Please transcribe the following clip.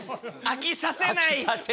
飽きさせない。